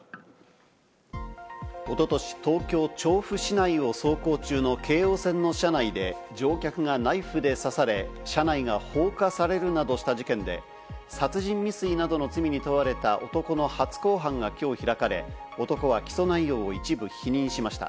おととし、東京・調布市内を走行中の京王線の車内で、乗客がナイフで刺され、車内が放火されるなどした事件で、殺人未遂などの罪に問われた男の初公判がきょう開かれ、男は起訴内容を一部否認しました。